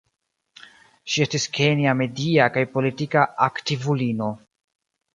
Ŝi estis kenja media kaj politika aktivulino.